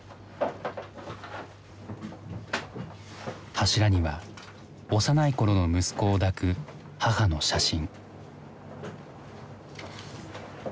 柱には幼い頃の息子を抱く母の写真。